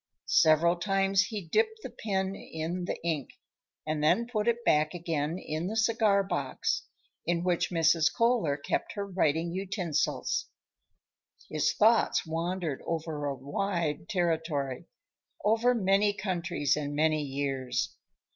Several times he dipped the pen in the ink, and then put it back again in the cigar box in which Mrs. Kohler kept her writing utensils. His thoughts wandered over a wide territory; over many countries and many years.